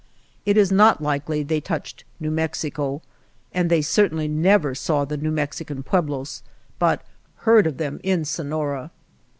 It is not likely they touched New Mexico, and they certainly never saw the New Mexi can pueblos, but heard of them in Sonora.